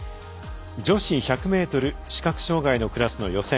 女子１００ｍ視覚障がいのクラスの予選。